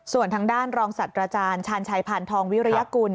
ส่วนทางด้านรองศัตว์อาจารย์ชาญชัยพานทองวิริยกุล